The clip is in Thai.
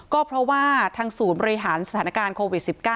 ก็เพราะว่าทางศูนย์บริหารสถานการณ์โควิด๑๙